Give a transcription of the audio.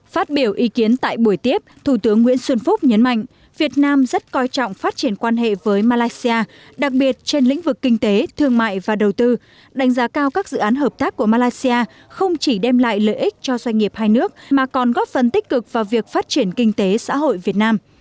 phát biểu ý kiến tại buổi tiếp thủ tướng nguyễn xuân phúc nhấn mạnh việt nam rất coi trọng phát triển quan hệ với malaysia đặc biệt trên lĩnh vực kinh tế thương mại và đầu tư đánh giá cao các dự án hợp tác của malaysia không chỉ đem lại lợi ích cho doanh nghiệp hai nước mà còn góp phần tích cực vào việc phát triển kinh tế xã hội việt nam